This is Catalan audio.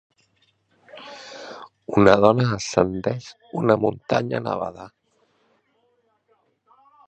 Una dona ascendeix una muntanya nevada.